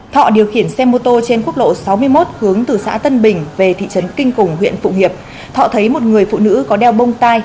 ba thọ điều khiển xe mô tô trên quốc lộ sáu mươi một hướng từ xã tân bình về thị trấn kinh cùng huyện phụng hiệp thọ thấy một người phụ nữ có đeo bông tai